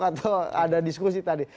atau ada diskusi tadi